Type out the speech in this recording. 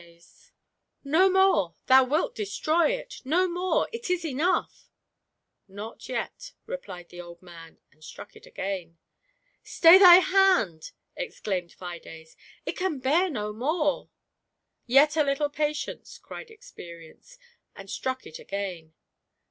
GIANT FBIDE. " No more — thou wilt destroy it ; no more — it in enough !"" Not yet," replied the old raan, and struck it again. " Stay thy hand !" exclaimed Fides ;" it can bear no more." " Yet a little patience," cried Experience, and struck it again.